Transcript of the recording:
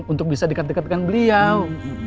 untuk bisa dekat dekatkan beliau